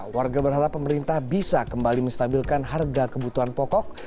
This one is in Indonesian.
warga berharap pemerintah bisa kembali menstabilkan harga kebutuhan pokok